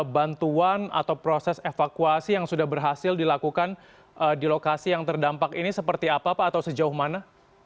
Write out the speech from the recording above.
bantuan atau proses evakuasi yang sudah berhasil dilakukan di lokasi yang terdampak ini seperti apa pak atau sejauh mana